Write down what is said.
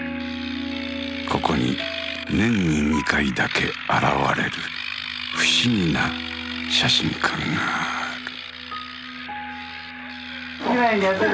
ここに年に２回だけ現れる不思議な写真館がある。